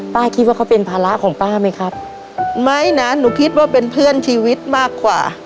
ป้าคิดว่าเขาเป็นภาระของป้าไหมครับไม่นะหนูคิดว่าเป็นเพื่อนชีวิตมากกว่า